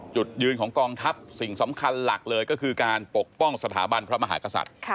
จุดยืนของกองทัพสิ่งสำคัญหลักเลยก็คือการปกป้องสถาบันพระมหากษัตริย์